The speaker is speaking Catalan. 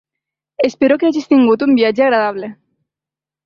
Espero que hagis tingut un viatge agradable.